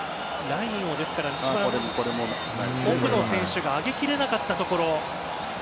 ラインの一番奥の選手が上げきれなかったところ。